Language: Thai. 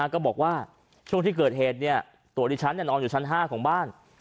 ก็บอกว่าช่วงที่เกิดเหตุตัวดิฉันนอนอยู่ชั้น๕ของบ้าน